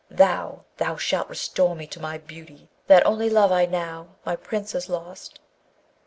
Thou, thou shalt restore me to my beauty: that only love I now my Prince is lost.'